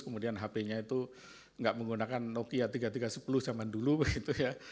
kemudian hp nya itu nggak menggunakan nokia tiga ratus tiga puluh zaman dulu begitu ya